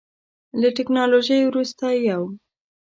له ټکنالوژۍ وروسته یو.